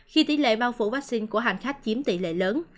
khi tỷ lệ bao phủ vaccine của hành khách chiếm tỷ lệ lớn